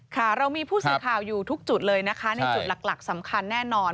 ค่ะเรามีผู้สื่อข่าวอยู่ทุกจุดเลยนะคะในจุดหลักสำคัญแน่นอน